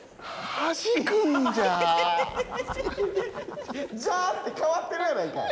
「じゃ」ってかわってるやないかい。